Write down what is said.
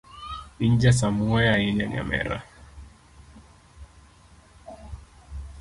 In ja samuoyo ahinya nyamera.